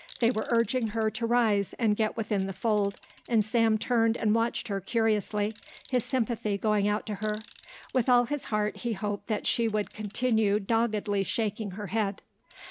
They were urging her to rise and get within the fold, and Sam turned and watched her curiously, his sympathy going out to her. With all his heart he hoped that she would continue doggedly shaking her head.